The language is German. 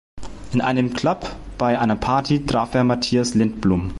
In einem Club bei einer Party traf er Mattias Lindblom.